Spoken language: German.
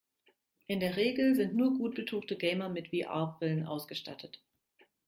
In der Regel sind nur gut betuchte Gamer mit VR-Brillen ausgestattet.